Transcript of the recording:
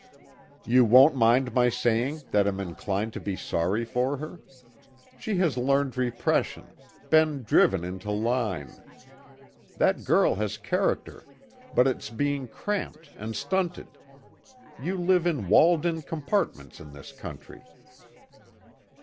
"You won't mind my saying that I'm inclined to be sorry for her? She has learned repression been driven into line. That girl has character, but it's being cramped and stunted. You live in walled in compartments in this country."